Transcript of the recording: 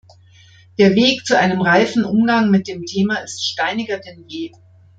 Der Weg zu einem reifen Umgang mit dem Thema ist steiniger denn je.